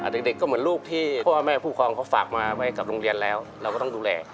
เด็กก็เหมือนลูกที่พ่อแม่ผู้ครองเขาฝากมาไว้กับโรงเรียนแล้วเราก็ต้องดูแล